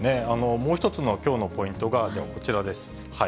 もう１つのきょうのポイントが、こちらです。